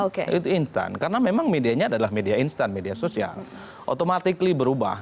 oke itu instan karena memang medianya adalah media instan media sosial otomatik li berubah